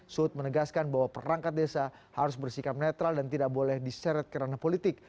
suhud menegaskan bahwa perangkat desa harus bersikap netral dan tidak boleh diseret kerana politik